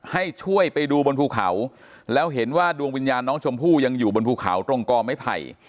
ให้ช่วยไปดูบนภูเขาแล้วเห็นว่าดวงวิญญาณน้องชมพู่ยังอยู่บนภูเขาตรงกอไม้ไผ่